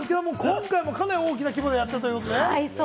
今回もかなり大きな規模でやっているということで。